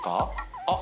あっ！